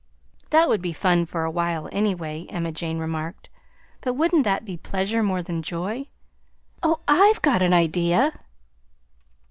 "That would be fun, for a while anyway," Emma Jane remarked. "But wouldn't that be pleasure more than joy? Oh, I've got an idea!"